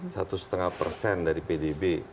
satu setengah persen dari pdb